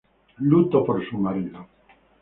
Luto por su marido".